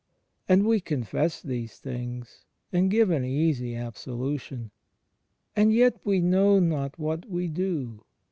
And we confess these things, and give an easy absolution. And yet we know not what we do.